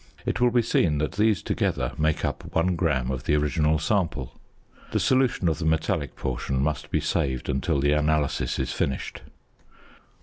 It will be seen that these together make up 1 gram of the original sample. The solution of the metallic portion must be saved until the analysis is finished.